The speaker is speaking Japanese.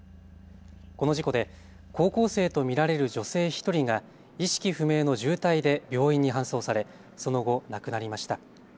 この事故で高校生と見られる女性１人が意識不明の重体で病院に搬送されその後亡くなりました。